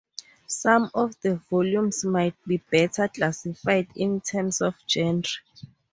Some of the volumes might be better classified in terms of genre.